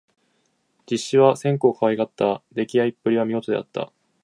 実資は千古をかわいがった。できあいっぷりは見事であった。